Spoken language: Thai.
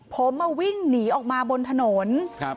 ผมมาวิ่งหนีออกมาบนถนน